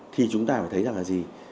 thì chúng ta phải thấy rằng là gì